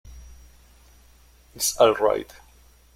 It's alright!